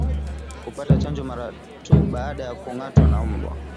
Kupata chanjo mara tu baada ya kungatwa na mbwa